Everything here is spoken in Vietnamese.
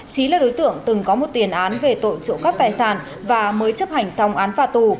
trí là đối tượng từng có một tiền án về tội trộm cắp tài sản và mới chấp hành xong án phạt tù